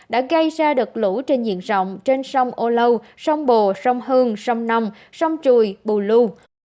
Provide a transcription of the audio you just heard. đã gây ra đợt lũ trên diện rộng trên sông âu lâu sông bồ sông hương sông nông sông trùi bù lưu